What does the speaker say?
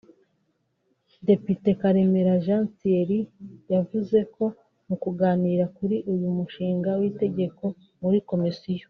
Depite Karemera Jean Thierry yavuze ko mu kuganira kuri uyu mushinga w’itegeko muri komisiyo